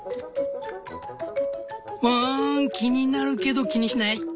ワン気になるけど気にしない。